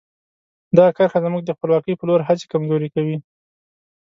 دغه کرښه زموږ د خپلواکۍ په لور هڅې کمزوري کوي.